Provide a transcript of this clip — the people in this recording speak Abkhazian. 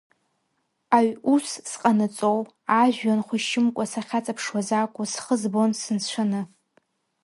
Аҩ ус сҟанаҵоу, ажәҩан хәашьымкәа сахьаҵаԥшуаз акәу, схы збон сынцәаны.